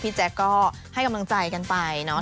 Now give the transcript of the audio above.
แจ๊คก็ให้กำลังใจกันไปเนาะ